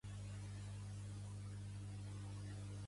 Pertany al moviment independentista la Marujita?